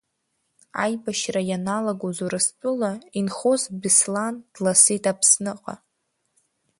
Аибашьра ианалагоз Урыстәыла инхоз Беслан дласит Аԥсныҟа.